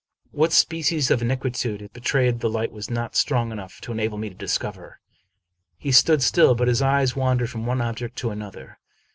What species of inquietude it betrayed the light was not strong enough to enable me to discover. He stood still; but his eyes wandered from one object to another.